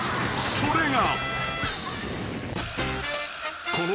［それが］